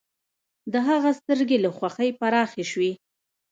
د هغه سترګې له خوښۍ پراخې شوې